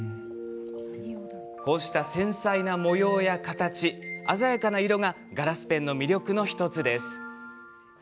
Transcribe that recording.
こうした繊細な模様や形鮮やかな色がガラスペンの魅力の１つです。